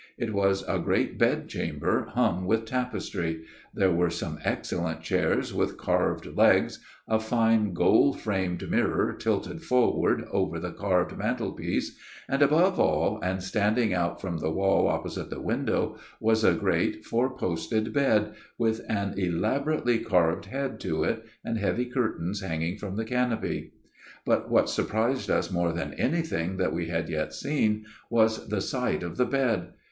It was a great bed chamber, hung with tapestry ; there were some excellent chairs with carved legs ; a fine gold framed mirror tilted forward over the carved mantel piece ; and, above all, and standing out from the wall opposite the window was a great four posted bed, with an elaborately carved head to it, and heavy curtains hanging from the canopy. " But what surprised us more than anything that we had yet seen, was the sight of the bed.